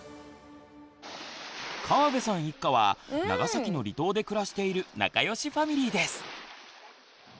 河辺さん一家は長崎の離島で暮らしている仲良しファミリーです。